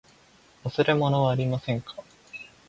忘れ物はありませんか。